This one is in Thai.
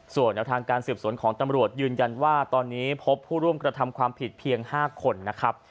ส่วนแนวทางการสืบสวนของตำรวจยืนยันว่าตอนนี้พบผู้ร่วมกระทำความผิดเพียง๕คนนะครับ